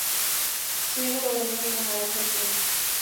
Su ídolo de niño fue Marat Safin.